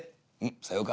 「さようか。